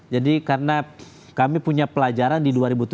jadi karena kami punya pelajaran di dua ribu tujuh belas